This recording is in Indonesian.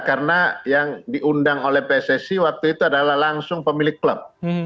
karena yang diundang oleh pssi waktu itu adalah langsung pemilik klub